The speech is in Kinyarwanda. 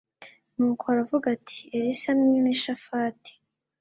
nuko aravuga ati elisa mwene shafati